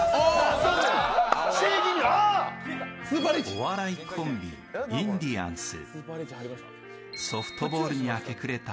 お笑いコンビ、インディアンス。